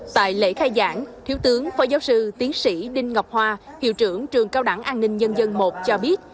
tại lễ khai giảng thiếu tướng phó giáo sư tiến sĩ đinh ngọc hoa hiệu trưởng trường cao đẳng an ninh nhân dân một cho biết